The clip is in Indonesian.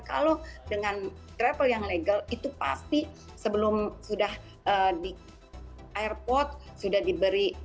kalau dengan travel yang legal itu pasti sebelum sudah di airport sudah diberi